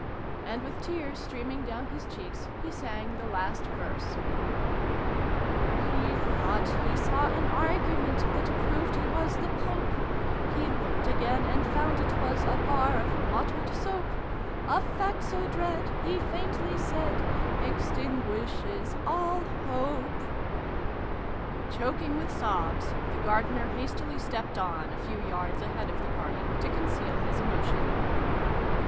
And, with tears streaming down his cheeks, he sang the last verse :" He thought he saw an Argument That proved he was tJie Pope : He looked again, and found it was A Bar of Mottled Soap. ' A fact so dread,' he faintly said, ' Extinguishes all hope !'' 320 SYLVIE AND BRUNO CONCLUDED. Choking with sobs, the Gardener hastily stepped on a few yards ahead of the party, to conceal his emotion.